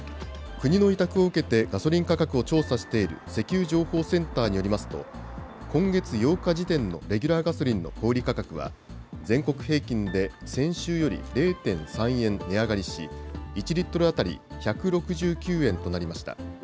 国の委託を受けてガソリン価格を調査している石油情報センターによりますと、今月８日時点のレギュラーガソリンの小売り価格は、全国平均で先週より０．３円値上がりし、１リットル当たり１６９円となりました。